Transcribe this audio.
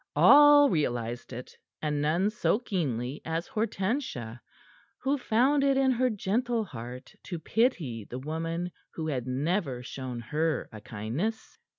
All realized it, and none so keenly as Hortensia, who found it in her gentle heart to pity the woman who had never shown her a kindness.